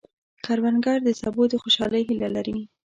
کروندګر د سبو د خوشحالۍ هیله لري